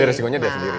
resikonya dia sendiri